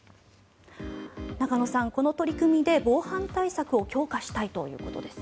中野さん、この取り組みで防犯対策を強化したいということです。